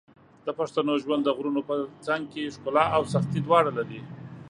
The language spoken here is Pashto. د پښتنو ژوند د غرونو په څنګ کې ښکلا او سختۍ دواړه لري.